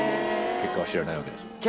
結果は知らないわけですもんね。